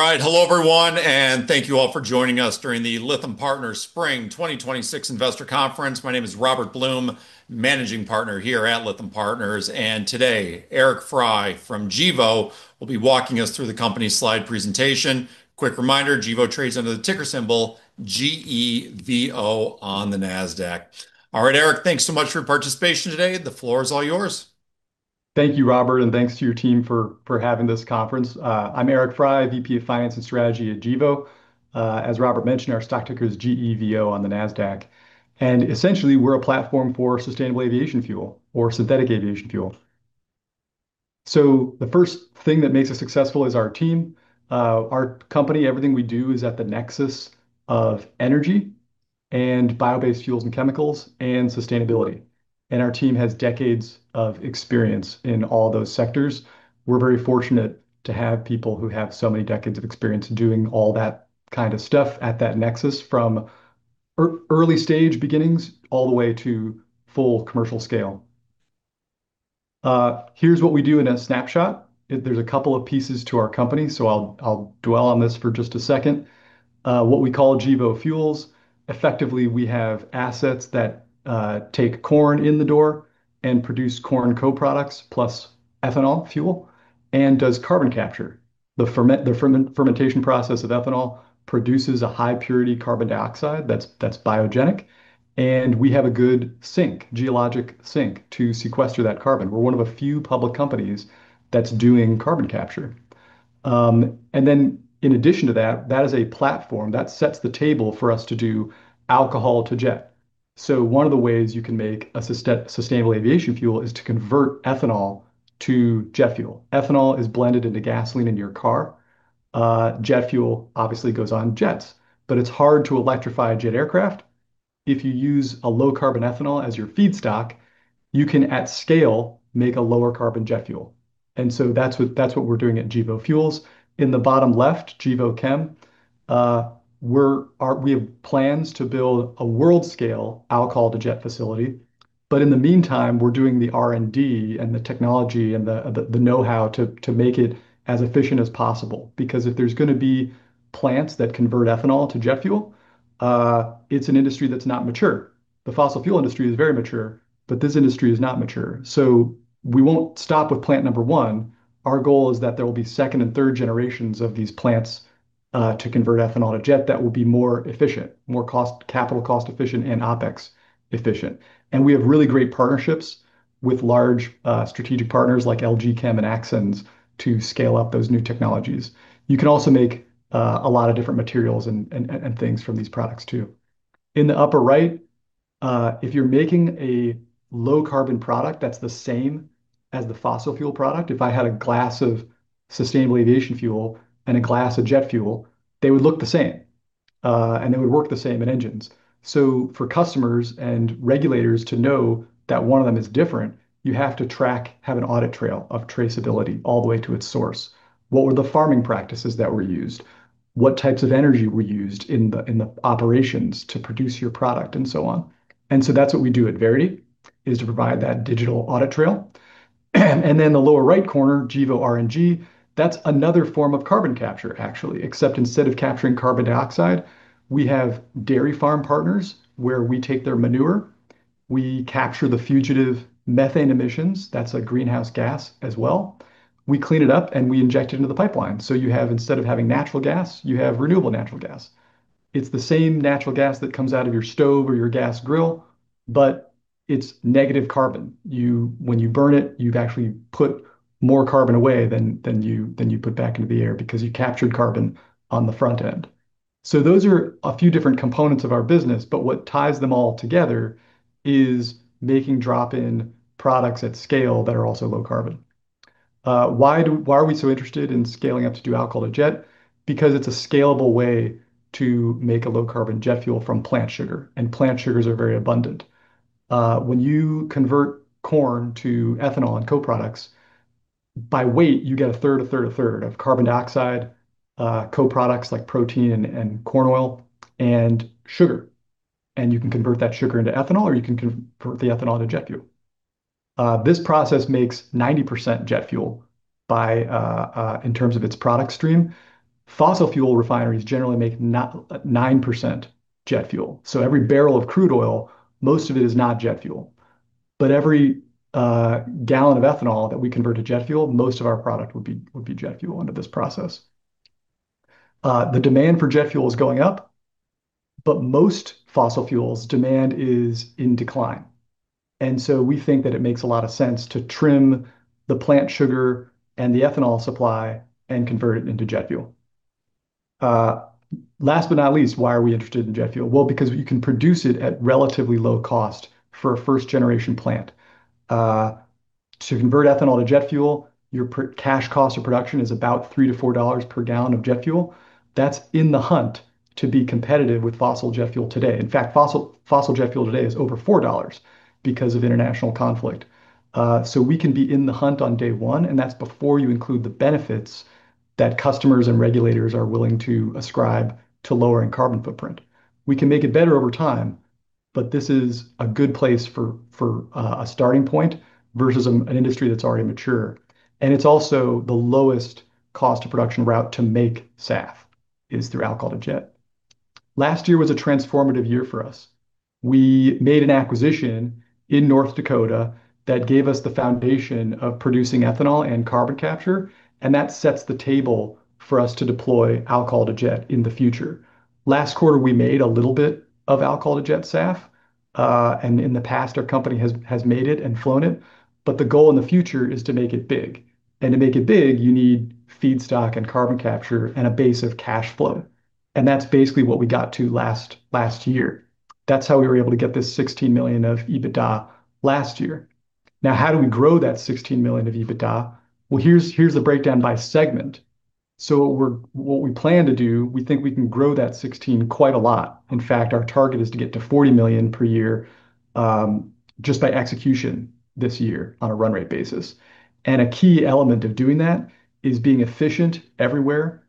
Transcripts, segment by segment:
All right. Hello everyone, and thank you all for joining us during the Lytham Partners Spring 2026 Investor Conference. My name is Robert Blum, managing partner here at Lytham Partners, and today, Eric Frey from Gevo will be walking us through the company's slide presentation. Quick reminder, Gevo trades under the ticker symbol GEVO on the Nasdaq. All right, Eric, thanks so much for your participation today. The floor is all yours. Thank you, Robert, and thanks to your team for having this conference. I'm Eric Frey, VP of Finance and Strategy at Gevo. As Robert mentioned, our stock ticker is GEVO on the Nasdaq. Essentially, we're a platform for sustainable aviation fuel or synthetic aviation fuel. The first thing that makes us successful is our team. Our company, everything we do is at the nexus of energy and bio-based fuels and chemicals, and sustainability. Our team has decades of experience in all those sectors. We're very fortunate to have people who have so many decades of experience in doing all that kind of stuff at that nexus, from early stage beginnings all the way to full commercial scale. Here's what we do in a snapshot. There's a couple of pieces to our company, so I'll dwell on this for just a second. What we call Gevo Fuels. We have assets that take corn in the door and produce corn co-products plus ethanol fuel and does carbon capture. The fermentation process of ethanol produces a high-purity carbon dioxide that's biogenic, and we have a good geologic sink to sequester that carbon. We're one of a few public companies that's doing carbon capture. In addition to that is a platform that sets the table for us to do Alcohol-to-Jet. One of the ways you can make a sustainable aviation fuel is to convert ethanol to jet fuel. Ethanol is blended into gasoline in your car. Jet fuel obviously goes on jets. It's hard to electrify a jet aircraft. If you use a low-carbon ethanol as your feedstock, you can, at scale, make a lower carbon jet fuel. That's what we're doing at Gevo Fuels. In the bottom left, Gevo Chem. We have plans to build a world-scale Alcohol-to-Jet facility. In the meantime, we're doing the R&D and the technology and the know-how to make it as efficient as possible. If there's going to be plants that convert ethanol to jet fuel, it's an industry that's not mature. The fossil fuel industry is very mature, this industry is not mature. We won't stop with plant number one. Our goal is that there will be second and third generations of these plants to convert ethanol to jet that will be more efficient, more capital cost efficient, and OpEx efficient. We have really great partnerships with large strategic partners like LG Chem and Axens to scale up those new technologies. You can also make a lot of different materials and things from these products, too. In the upper right, if you're making a low-carbon product that's the same as the fossil fuel product, if I had a glass of sustainable aviation fuel and a glass of jet fuel, they would look the same, and they would work the same in engines. For customers and regulators to know that one of them is different, you have to track, have an audit trail of traceability all the way to its source. What were the farming practices that were used? What types of energy were used in the operations to produce your product, and so on. That's what we do at Verity, is to provide that digital audit trail. The lower right corner, Gevo RNG. That's another form of carbon capture, actually, except instead of capturing carbon dioxide, we have dairy farm partners where we take their manure, we capture the fugitive methane emissions. That's a greenhouse gas as well. We clean it up, and we inject it into the pipeline. You have, instead of having natural gas, you have renewable natural gas. It's the same natural gas that comes out of your stove or your gas grill, but it's negative carbon. When you burn it, you've actually put more carbon away than you put back into the air because you captured carbon on the front end. Those are a few different components of our business, but what ties them all together is making drop-in products at scale that are also low carbon. Why are we so interested in scaling up to do Alcohol-to-Jet? Because it's a scalable way to make a low-carbon jet fuel from plant sugar, and plant sugars are very abundant. When you convert corn to ethanol and co-products, by weight, you get a third, a third, a third of carbon dioxide, co-products like protein and corn oil, and sugar. You can convert that sugar into ethanol, or you can convert the ethanol into jet fuel. This process makes 90% jet fuel in terms of its product stream. Fossil fuel refineries generally make 9% jet fuel. Every barrel of crude oil, most of it is not jet fuel. Every gallon of ethanol that we convert to jet fuel, most of our product would be jet fuel under this process. The demand for jet fuel is going up, but most fossil fuels demand is in decline. We think that it makes a lot of sense to trim the plant sugar and the ethanol supply and convert it into jet fuel. Last but not least, why are we interested in jet fuel? Because you can produce it at relatively low cost for a first-generation plant. To convert ethanol to jet fuel, your cash cost of production is about $3-$4 per gallon of jet fuel. That's in the hunt to be competitive with fossil jet fuel today. In fact, fossil jet fuel today is over $4 because of international conflict. We can be in the hunt on day one, and that's before you include the benefits that customers and regulators are willing to ascribe to lowering carbon footprint. We can make it better over time. This is a good place for a starting point versus an industry that's already mature. It's also the lowest cost of production route to make SAF, is through Alcohol-to-Jet. Last year was a transformative year for us. We made an acquisition in North Dakota that gave us the foundation of producing ethanol and carbon capture, and that sets the table for us to deploy Alcohol-to-Jet in the future. Last quarter, we made a little bit of Alcohol-to-Jet SAF. In the past, our company has made it and flown it. The goal in the future is to make it big. To make it big, you need feedstock and carbon capture and a base of cash flow. That's basically what we got to last year. That's how we were able to get this $16 million of EBITDA last year. Now, how do we grow that $16 million of EBITDA? Well, here's the breakdown by segment. What we plan to do, we think we can grow that 16 quite a lot. In fact, our target is to get to $40 million per year just by execution this year on a run rate basis. A key element of doing that is being efficient everywhere.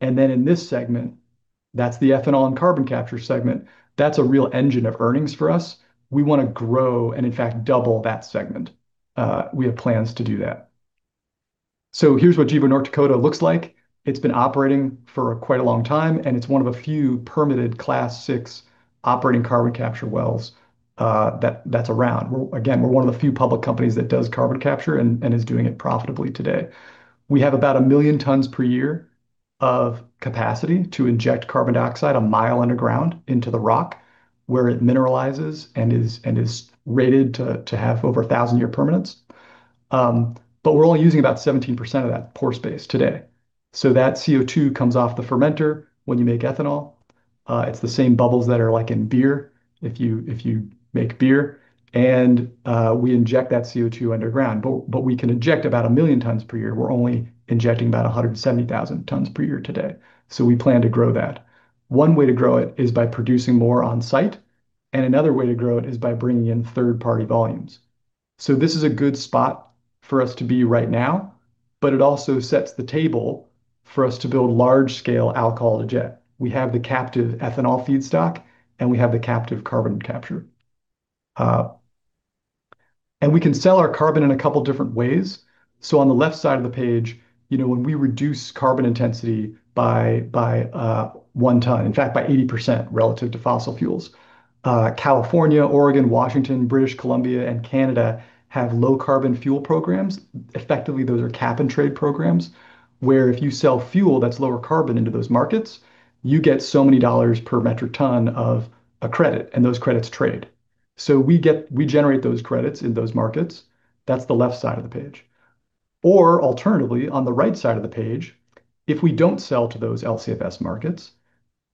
In this segment, that's the ethanol and carbon capture segment, that's a real engine of earnings for us. We want to grow and in fact double that segment. We have plans to do that. Here's what Gevo North Dakota looks like. It's been operating for quite a long time, and it's one of a few permitted Class VI operating carbon capture wells that's around. Again, we're one of the few public companies that does carbon capture and is doing it profitably today. We have about 1 million tons per year of capacity to inject carbon dioxide one mile underground into the rock where it mineralizes and is rated to have over 1,000-year permanence. We're only using about 17% of that pore space today. That CO2 comes off the fermenter when you make ethanol. It's the same bubbles that are in beer if you make beer. We inject that CO2 underground, but we can inject about 1 million tons per year. We're only injecting about 170,000 tons per year today. We plan to grow that. One way to grow it is by producing more on-site, and another way to grow it is by bringing in third-party volumes. This is a good spot for us to be right now, but it also sets the table for us to build large scale alcohol-to-jet. We have the captive ethanol feedstock, we have the captive carbon capture. We can sell our carbon in a couple different ways. On the left side of the page, when we reduce carbon intensity by one ton, in fact by 80% relative to fossil fuels. California, Oregon, Washington, British Columbia, and Canada have low carbon fuel programs. Effectively, those are cap and trade programs, where if you sell fuel that's lower carbon into those markets, you get so many dollars per metric ton of a credit. Those credits trade. We generate those credits in those markets. That's the left side of the page. Alternatively, on the right side of the page, if we don't sell to those LCFS markets,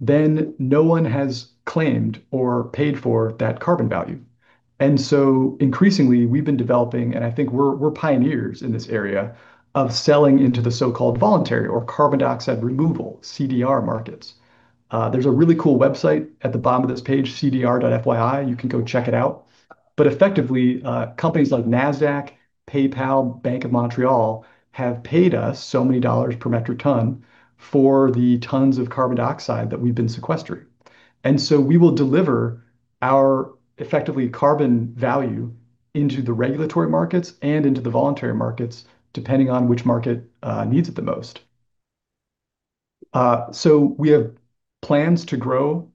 no one has claimed or paid for that carbon value. Increasingly, we've been developing, and I think we're pioneers in this area of selling into the so-called voluntary or carbon dioxide removal, CDR markets. There's a really cool website at the bottom of this page, cdr.fyi. You can go check it out. Effectively, companies like Nasdaq, PayPal, Bank of Montreal have paid us so many dollars per metric ton for the tons of carbon dioxide that we've been sequestering. We will deliver our effectively carbon value into the regulatory markets and into the voluntary markets, depending on which market needs it the most. We have plans to grow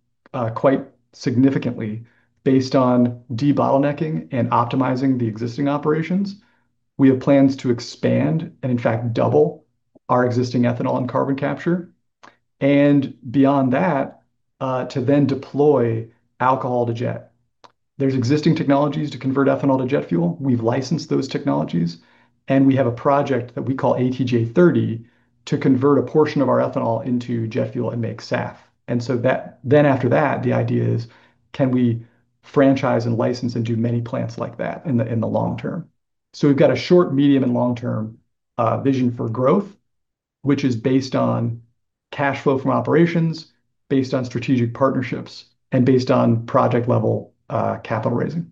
quite significantly based on debottlenecking and optimizing the existing operations. We have plans to expand and in fact double our existing ethanol and carbon capture. Beyond that, to then deploy Alcohol-to-Jet. There's existing technologies to convert ethanol to jet fuel. We've licensed those technologies, and we have a project that we call ATJ30 to convert a portion of our ethanol into jet fuel and make SAF. After that, the idea is, can we franchise and license and do many plants like that in the long term? We've got a short, medium, and long-term vision for growth, which is based on cash flow from operations, based on strategic partnerships, and based on project level capital raising.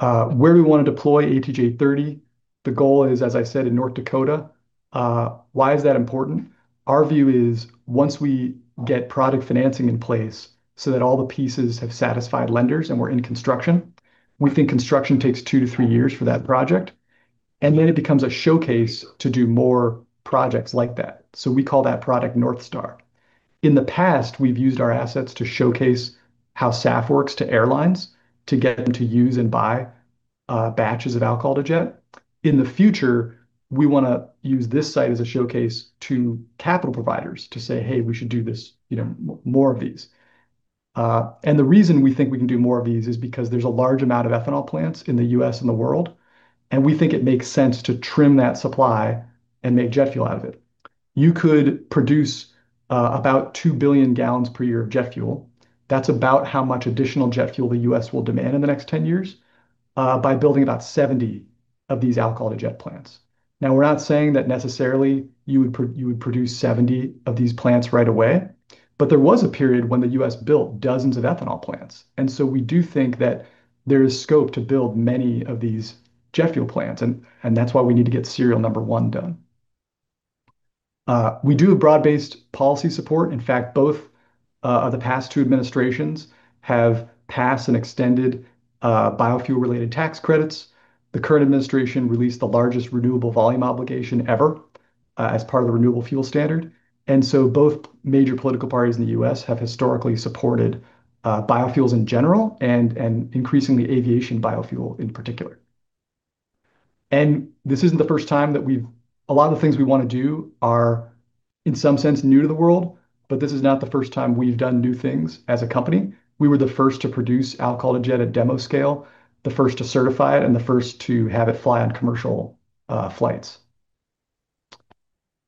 Where we want to deploy ATJ30, the goal is, as I said, in North Dakota. Why is that important? Our view is once we get product financing in place so that all the pieces have satisfied lenders and we're in construction, we think construction takes two to three years for that project. It becomes a showcase to do more projects like that. We call that Project North Star. In the past, we've used our assets to showcase how SAF works to airlines to get them to use and buy batches of Alcohol-to-Jet. In the future, we want to use this site as a showcase to capital providers to say, "Hey, we should do more of these." The reason we think we can do more of these is because there's a large amount of ethanol plants in the U.S. and the world, and we think it makes sense to trim that supply and make jet fuel out of it. You could produce about 2 billion gallons per year of jet fuel. That's about how much additional jet fuel the U.S. will demand in the next 10 years by building about 70 of these Alcohol-to-Jet plants. We're not saying that necessarily you would produce 70 of these plants right away, but there was a period when the U.S. built dozens of ethanol plants. We do think that there is scope to build many of these jet fuel plants, and that's why we need to get serial number one done. We do broad-based policy support. In fact, both of the past two administrations have passed and extended biofuel-related tax credits. The current administration released the largest renewable volume obligation ever as part of the Renewable Fuel Standard. Both major political parties in the U.S. have historically supported biofuels in general, and increasingly aviation biofuel in particular. This isn't the first time that we've. A lot of the things we want to do are, in some sense, new to the world, but this is not the first time we've done new things as a company. We were the first to produce Alcohol-to-Jet at demo scale, the first to certify it, and the first to have it fly on commercial flights.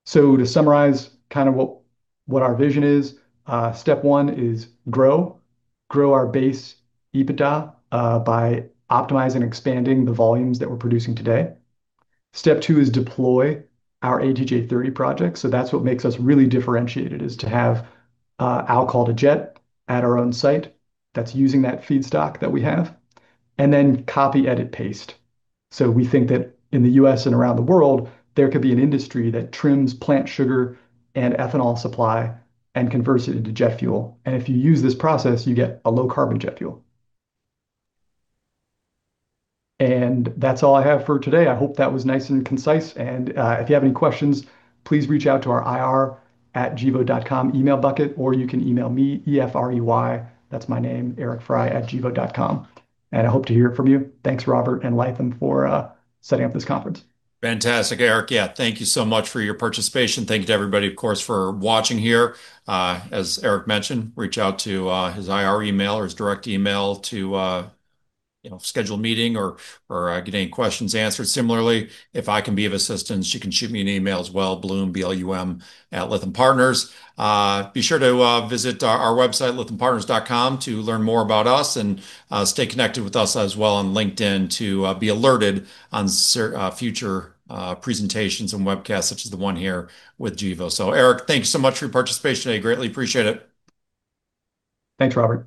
To summarize what our vision is, step one is grow. Grow our base EBITDA by optimizing and expanding the volumes that we're producing today. Step two is deploy our ATJ30 project. That's what makes us really differentiated, is to have Alcohol-to-Jet at our own site that's using that feedstock that we have, and then copy, edit, paste. We think that in the U.S. and around the world, there could be an industry that trims plant sugar and ethanol supply and converts it into jet fuel. If you use this process, you get a low-carbon jet fuel. That's all I have for today. I hope that was nice and concise. If you have any questions, please reach out to our ir@gevo.com email bucket, or you can email me, E-F-R-E-Y, that's my name, ericfrey@gevo.com. I hope to hear from you. Thanks, Robert and Lytham for setting up this conference. Fantastic, Eric. Yeah. Thank you so much for your participation. Thank you to everybody, of course, for watching here. As Eric mentioned, reach out to his IR email or his direct email to schedule a meeting or get any questions answered. Similarly, if I can be of assistance, you can shoot me an email as well, Blum, B-L-U-M, @lythampartners.com. Be sure to visit our website, lythampartners.com, to learn more about us, and stay connected with us as well on LinkedIn to be alerted on future presentations and webcasts such as the one here with Gevo. Eric, thank you so much for your participation today. Greatly appreciate it. Thanks, Robert.